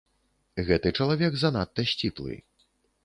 Гэты чалавек занадта сціплы.